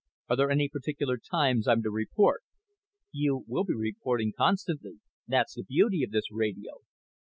"Are there any particular times I'm to report?" "You will be reporting constantly. That's the beauty of this radio."